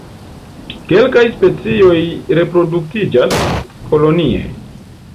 Kelkaj specioj reproduktiĝas kolonie.